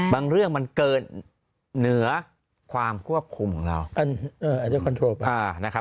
บางเรื่องมันเกินเหนือความควบคุมของเรา